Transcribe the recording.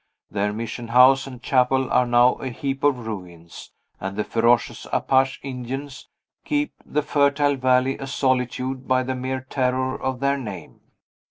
Their mission house and chapel are now a heap of ruins, and the ferocious Apache Indians keep the fertile valley a solitude by the mere terror of their name.